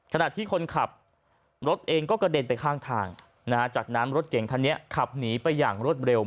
ขณะที่คนขับรถเองก็กระเด็นไปข้างทางจากนั้นรถเก่งคันนี้ขับหนีไปอย่างรวดเร็ว